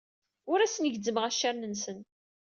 Ur asen-gezzmeɣ accaren-nsen.